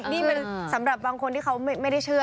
นี่มันสำหรับบางคนที่เขาไม่ได้เชื่อ